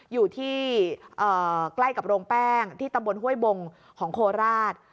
อยู่ที่ใกล้กับโรงแป้งที่ตำบลห้วยบงของโคราช